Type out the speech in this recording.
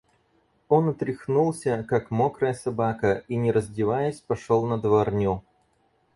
Он отряхнулся, как мокрая собака, и, не раздеваясь, пошел на дворню.